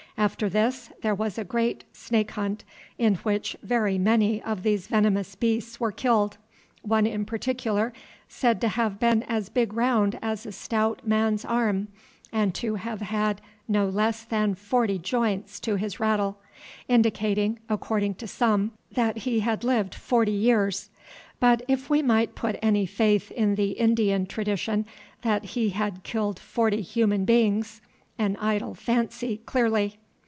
After this there was a great snake hunt, in which very many of these venomous beasts were killed, one in particular, said to have been as big round as a stout man's arm, and to have had no less than forty joints to his rattle, indicating, according to some, that he had lived forty years, but, if we might put any faith in the Indian tradition, that he had killed forty human beings, an idle fancy, clearly.